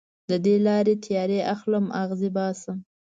د دې لارې تیارې اخلم اغزې باسم